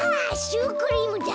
シュークリームだ。